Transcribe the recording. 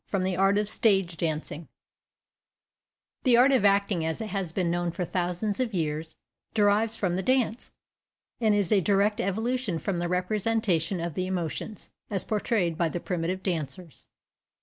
278 THE DANCE AND THE DRAMA THE art of acting as it has been known for thousands of years, derives from the dance, and is a direct evolution from the representation of the emotions as portrayed by the primitive dancers.